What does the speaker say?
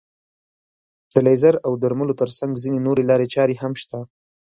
د لیزر او درملو تر څنګ ځينې نورې لارې چارې هم شته.